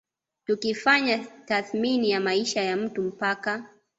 Tukifanya tathmini ya maisha ya mtu mpaka